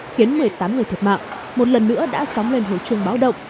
khiến một mươi tám người thiệt mạng một lần nữa đã sóng lên hồi chuông báo động